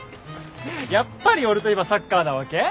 やっぱり俺といえばサッカーなわけ？